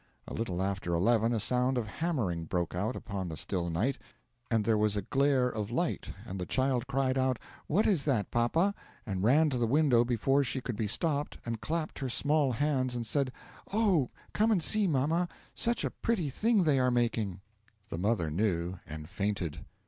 A little after eleven a sound of hammering broke out upon the still night, and there was a glare of light, and the child cried out, 'What is that, papa?' and ran to the window before she could be stopped and clapped her small hands and said, 'Oh, come and see, mamma such a pretty thing they are making!' The mother knew and fainted.